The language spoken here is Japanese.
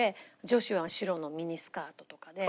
女子は白のミニスカートとかで。